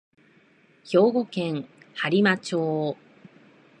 兵庫県播磨町